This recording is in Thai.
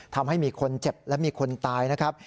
ทำให้มีคนเจ็บและมีคนตายนะครับ